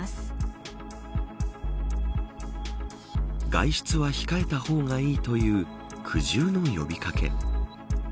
外出は控えた方がいいという苦渋の呼び掛け。